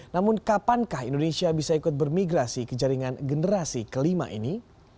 namun kapankah indonesia bisa ikut bermigrasi ke jaringan generasi kelima ini